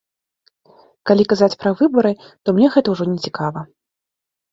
Калі казаць пра выбары, то мне гэта ўжо не цікава.